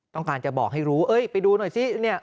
ต้องการจะบอกให้รู้ไปดูหน่อยซิ